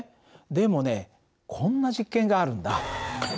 でもねこんな実験があるんだ。